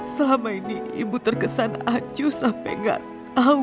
selama ini ibu terkesan acuh sampai gak tau